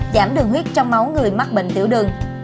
giảm đường huyết trong máu người mắc bệnh tiểu đường